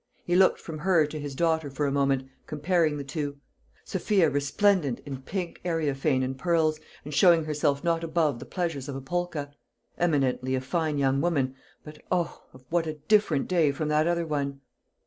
He looked from her to his daughter for a moment, comparing the two; Sophia resplendent in pink areophane and pearls, and showing herself not above the pleasures of a polka; eminently a fine young woman, but O, of what a different day from that other one!